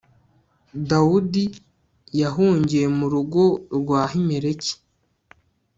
dawudi yahungiye mu rugo rwa ahimeleki